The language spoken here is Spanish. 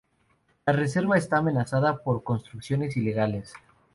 La reserva está amenazada por construcciones ilegales.